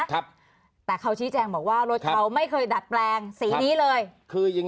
ครับแต่เขาชี้แจงบอกว่ารถเขาไม่เคยดัดแปลงสีนี้เลยคืออย่าง